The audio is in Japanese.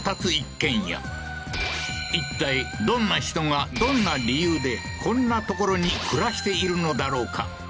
いったいどんな人がどんな理由でこんな所に暮らしているのだろうか？